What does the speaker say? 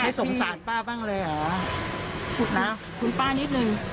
สงสารป้าบ้างเลยเหรอขุดนะคุณป้านิดนึง